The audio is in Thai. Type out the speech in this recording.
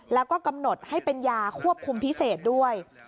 แล้วก็กำหนดให้เป็นยาควบคุมพิเศษด้วย